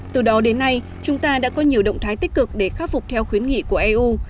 từ đó đến nay chúng ta đã có nhiều động thái tích cực để khắc phục theo khuyến nghị của eu